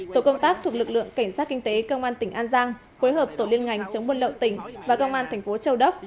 tổ công tác thuộc lực lượng cảnh sát kinh tế công an tỉnh an giang phối hợp tổ liên ngành chống buôn lậu tỉnh và công an thành phố châu đốc